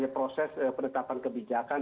proses penetapan kebijakan